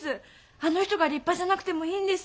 あの人が立派じゃなくてもいいんです。